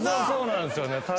そうなんすよね。